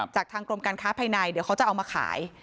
จากทางกรมการค้าภายในเดี๋ยวเขาจะเอามาขาย